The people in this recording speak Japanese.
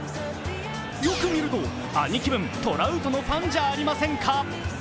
よく見ると兄貴分トラウトのファンじゃありませんか。